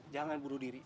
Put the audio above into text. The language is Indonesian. jangan buru diri